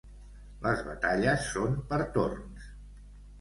Les batalles són per torns.